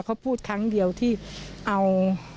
เขาพูดครั้งเดียวที่เอา